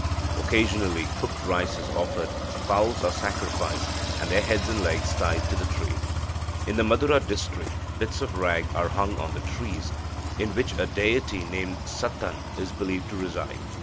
Occasionally cooked rice is offered, fowls are sacrificed, and their heads and legs tied to the tree. In the Madura district, bits of rag are hung on the trees in which a deity named Sattan is believed to reside.